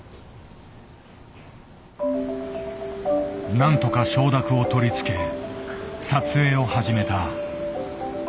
なんとか承諾を取り付け撮影を始めた。